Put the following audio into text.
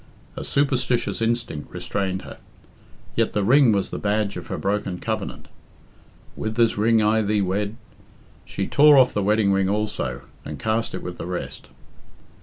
A superstitious instinct restrained her. Yet the ring was the badge of her broken covenant. "With this ring I thee wed " She tore off the wedding ring also, and cast it with the rest.